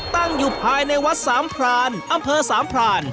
ตั้งอยู่ภายในวัดสามพรานอำเภอสามพราน